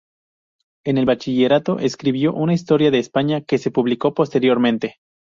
En el bachillerato escribió una historia de España que se publicó posteriormente.